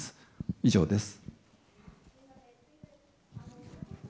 以上です。